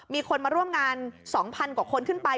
มีคนมาร่วมงาน๒๐๐กว่าคนขึ้นไป